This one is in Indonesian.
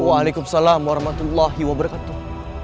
wa'alaikumussalam warahmatullahi wabarakatuh